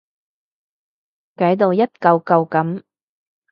解到一舊舊噉